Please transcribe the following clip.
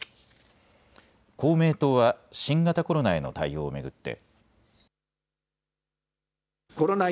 公明党は新型コロナへの対応を巡って。